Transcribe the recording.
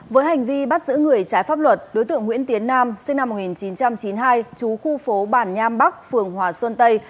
với hành vi bắt giữ người trái pháp luật đối tượng nguyễn tiến nam sinh năm một nghìn chín trăm chín mươi hai chú khu phố bản nham bắc phường hòa xuân tây